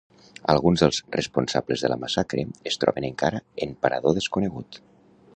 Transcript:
Alguns dels responsables de la massacre es troben encara en parador desconegut.